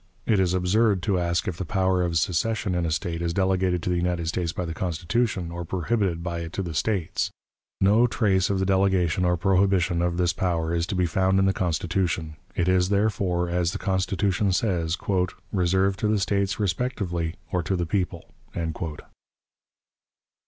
It is absurd to ask if the power of secession in a State is delegated to the United States by the Constitution, or prohibited by it to the States. No trace of the delegation or prohibition of this power is to be found in the Constitution. It is, therefore, as the Constitution says, "reserved to the States respectively, or to the people."